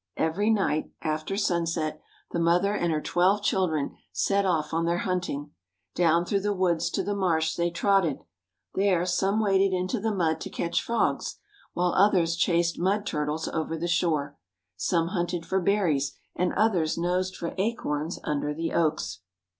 Every night, after sunset, the mother and her twelve children set off on their hunting. Down through the woods to the marsh they trotted. There some waded into the mud to catch frogs, while others chased mud turtles over the shore. Some hunted for berries and others nosed for acorns under the oaks.